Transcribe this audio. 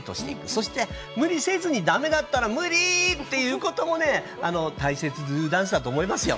そして無理せずに、だめだったら「無理ぃ」って言うこともね大切ＤＯＤＡＮＣＥだと思いますよ。